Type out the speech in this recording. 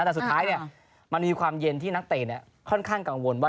แต่สุดท้ายมันมีความเย็นที่นักเตะค่อนข้างกังวลว่า